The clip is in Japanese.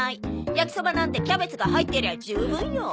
焼きそばなんてキャベツが入ってりゃ十分よ。